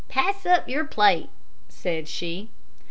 "Pass up your plate," said she.